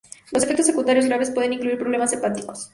Los efectos secundarios graves pueden incluir problemas hepáticos.